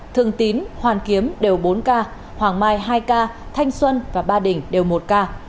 thường tín hoàn kiếm đều bốn ca hoàng mai hai ca thanh xuân và ba đình đều một ca